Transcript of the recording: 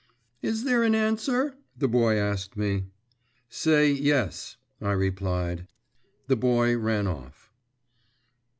'Is there an answer?' the boy asked me. 'Say, yes,' I replied. The boy ran off.